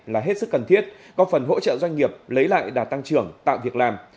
là hết sức cần thiết có phần hỗ trợ doanh nghiệp lấy lại đà tăng trưởng tạo việc làm